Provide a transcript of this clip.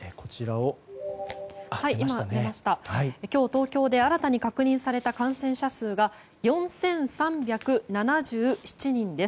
今日、東京で新たに確認された感染者数が４３７７人です。